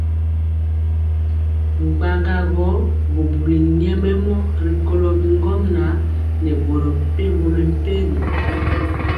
Bgabgagɔ bubuli nyɛmemɔ rikolo bi ŋgomnaŋ nɛ boro mepempɔ mɛmpegi.